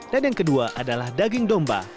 dan yang kedua adalah daging domba